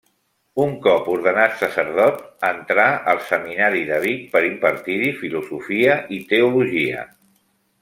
Un cop ordenat sacerdot, entrà al Seminari de Vic per impartir-hi filosofia i teologia.